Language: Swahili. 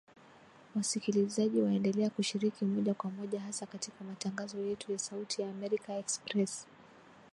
Wasikilizaji waendelea kushiriki moja kwa moja hasa katika matangazo yetu ya Sauti ya Amerika Express